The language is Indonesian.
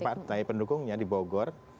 partai pendukungnya di bogor